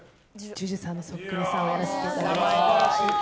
ＪＵＪＵさんのそっくりさんをやらせていただいております。